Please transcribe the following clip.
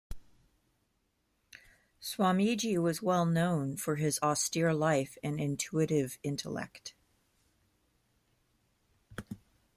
Swamiji was well known for his austere life and intuitive intellect.